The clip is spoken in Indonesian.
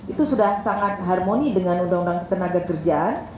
itu sudah sangat harmoni dengan undang undang tenaga kerjaan